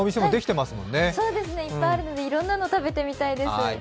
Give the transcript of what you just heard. いっぱいあるので、いろんなの食べてみたいです。